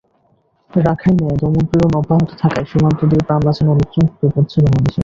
রাখাইনে দমন-পীড়ন অব্যাহত থাকায় সীমান্ত দিয়ে প্রাণ বাঁচানো লোকজন ঢুকে পড়ছে বাংলাদেশে।